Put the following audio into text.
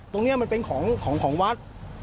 ตรงเนี่ยมันเป็นของของของของวัด